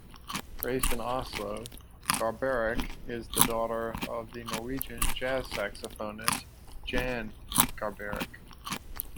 Raised in Oslo, Garbarek is the daughter of the Norwegian jazz saxophonist Jan Garbarek.